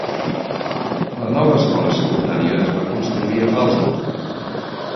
La nova escola secundària es va construir a Fallsburg.